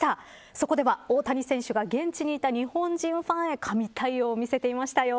そこでは大谷選手が現地にいた日本人ファンへ神対応を見せていましたよ。